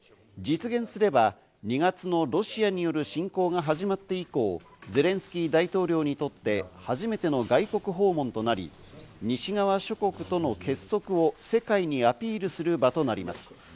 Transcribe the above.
実現すれば、２月のロシアによる侵攻が始まって以降、ゼレンスキー大統領にとって初めての外国訪問となり、西側諸国との結束を世界にアピールする場となります。